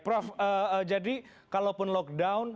prof jadi kalaupun lockdown